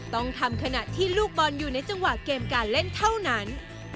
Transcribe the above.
ต้องทำขณะที่ลูกบอลอยู่ในจังหวะเกมการเล่นเท่านั้น